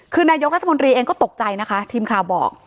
คือนายกรัฐมนตรีเองก็ตกใจนะคะทีมข่าวบอก